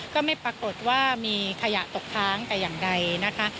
ก็ไม่ปรากฏว่ามีขยะตกค้างแต่อย่างใดนะคะ